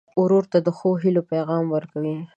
ورور ته د ښو هيلو پیغام ورکوې.